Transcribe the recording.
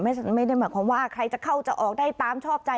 ไม่ได้หมายความว่าใครจะเข้าจะออกได้ตามชอบใจ